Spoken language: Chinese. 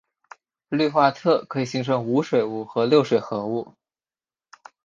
氯化铽可以形成无水物和六水合物。